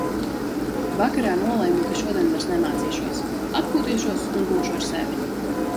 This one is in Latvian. Vakarā nolemju, ka šodien vairs nemācīšos. Atpūtīšos un būšu ar sevi.